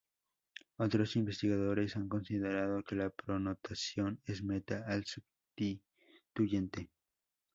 Otros investigadores han considerado que la protonación es "meta" al sustituyente.